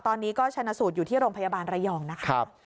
ตอนนี้ก็ชนะสูตรอยู่ที่โรงพยาบาลระยองนะคะ